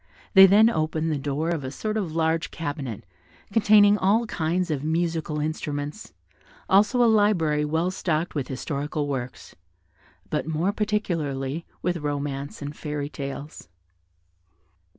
They then opened the door of a sort of large cabinet, containing all kinds of musical instruments, also a library well stocked with historical works, but more particularly with romances and fairy tales.